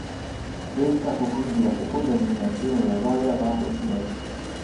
Questa fu quindi la seconda eliminazione del Royal Rumble match.